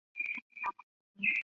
拉代斯特鲁斯。